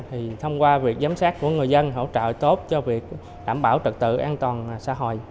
thì thông qua việc giám sát của người dân hỗ trợ tốt cho việc đảm bảo trật tự an toàn xã hội